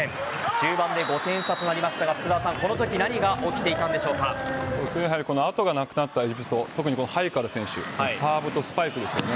中盤で５点差となりましたがこのとき後がなくなったエジプト特にハイカル選手サーブとスパイクですよね。